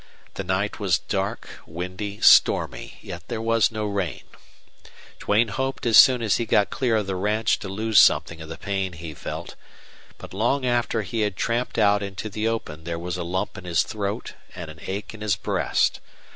The night was dark, windy, stormy, yet there was no rain. Duane hoped as soon as he got clear of the ranch to lose something of the pain he felt. But long after he had tramped out into the open there was a lump in his throat and an ache in his breast.